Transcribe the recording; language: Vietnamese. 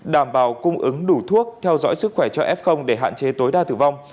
đảm bảo cung ứng đủ thuốc theo dõi sức khỏe cho f để hạn chế tối đa tử vong